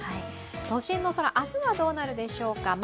都心の空、明日はどうなるでしょうか。